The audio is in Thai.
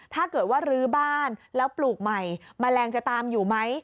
ถ้าเกิดว่ารื้อบ้านแล้วปลูกใหม่แมลงจะตามอยู่ไหม